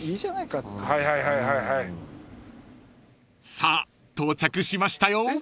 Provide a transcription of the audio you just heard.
［さあ到着しましたよ］